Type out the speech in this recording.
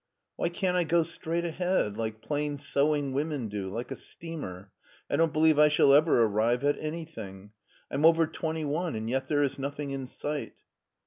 " Why can't I go straight ahead like plain sewing women do, like a steamer? I don't believe I shall ever arrive at anjrthing. I'm over twenty one, and yet there is nothing in sight."